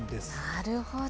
なるほど。